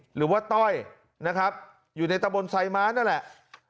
ต้อยนะครับอยู่ในตะบนไซม้านั่นแหละ